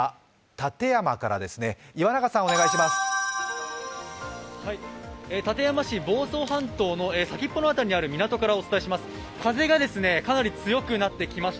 館山市房総半島の先っぽのあたりにある港からお伝えします。